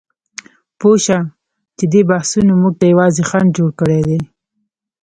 پوهه شو چې دې بحثونو موږ ته یوازې خنډ جوړ کړی دی.